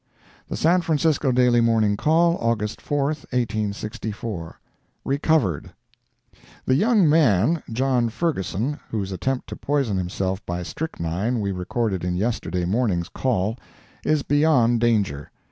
The San Francisco Daily Morning Call, August 4, 1864 RECOVERED The young man, John Ferguson, whose attempt to poison himself by strychnine we recorded in yesterday morning's CALL, is beyond danger.